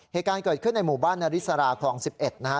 เหตุการณ์เกิดขึ้นในหมู่บ้านนาริสราคลอง๑๑นะฮะ